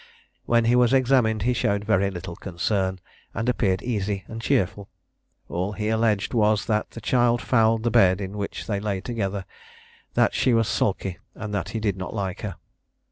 When he was examined, he showed very little concern, and appeared easy and cheerful. All he alleged was, that the child fouled the bed in which they lay together; that she was sulky, and that he did not like her.